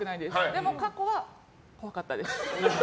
でも過去は怖かったです。